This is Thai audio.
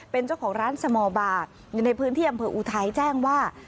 เป็นเจ้าของร้านสมอร์บาร์อยู่ในพื้นที่อำเภออุทัยแจ้งว่า